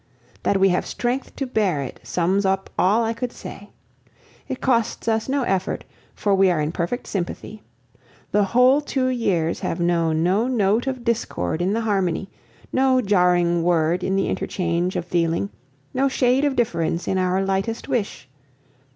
That we have strength to bear it sums up all I could say. It costs us no effort, for we are in perfect sympathy. The whole two years have known no note of discord in the harmony, no jarring word in the interchange of feeling, no shade of difference in our lightest wish.